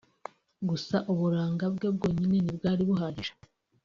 Gusa uburanga bwe bwonyine ntibwari buhagije